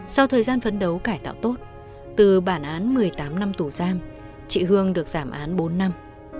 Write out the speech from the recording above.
sau thời gian phấn đấu cải tạo tốt từ bản án một mươi tám năm tù giam chị hương được giảm án bốn năm